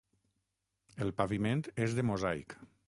El paviment és de mosaic.